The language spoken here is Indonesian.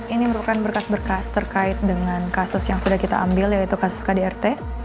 ini merupakan berkas berkas terkait dengan kasus yang sudah kita ambil yaitu kasus kdrt